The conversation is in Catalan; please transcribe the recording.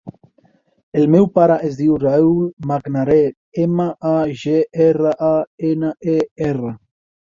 El meu pare es diu Raül Magraner: ema, a, ge, erra, a, ena, e, erra.